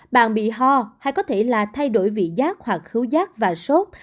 bạn bị ho hay có thể là thay đổi vị giác hoặc khứ giác và sốt